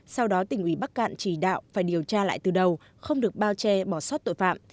sau đó tỉnh ủy bắc cạn chỉ đạo phải điều tra lại từ đầu không được bao che bỏ sót tội phạm